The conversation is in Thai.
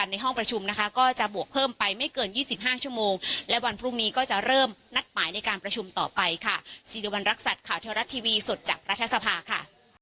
สีดุบันรักษัตริย์ข่าวเที่ยวรัฐทีวีสุดจากรัฐสภาค่ะ